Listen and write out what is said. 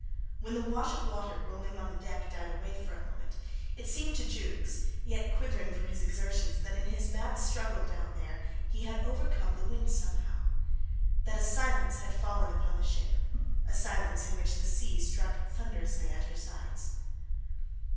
When the wash of water rolling on the deck died away for a moment, it seemed to Jukes, yet quivering from his exertions, that in his mad struggle down there he had overcome the wind somehow: that a silence had fallen upon the ship, a silence in which the sea struck thunderously at her sides.